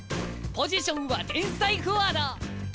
ポジションは天才フォワード！